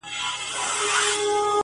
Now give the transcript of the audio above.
څه له راته ښایې اوس د ژوند کولو چل